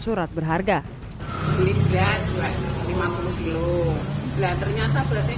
ketika pelaku menyiapkan uang pelaku langsung melancarkan aksinya